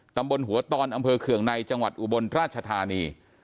ตำบลหัวตอนอำเภอเคืองในจังหวัดอุบลราชธานี